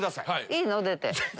いいの？出て。